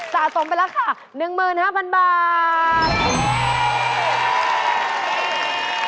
สะสมไปแล้วค่ะ๑๕๐๐๐บาท